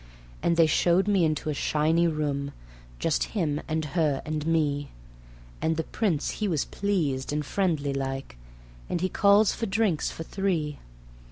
And they showed me into a shiny room, just him and her and me, And the Prince he was pleased and friendly like, and he calls for drinks for three.